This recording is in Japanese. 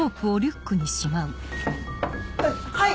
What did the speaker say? はい！